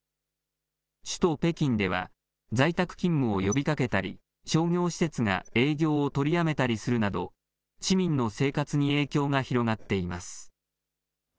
首都北京では在宅勤務を呼びかけたり、商業施設が営業を取りやめたりするなど、市民の生活に影響が広がっています。